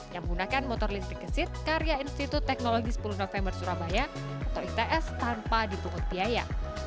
yang menggunakan motor listrik gesit karya institut teknologi sepuluh november surabaya atau its tanpa dipungut biaya